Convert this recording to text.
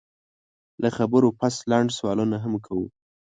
له خبرو پس لنډ سوالونه هم کوو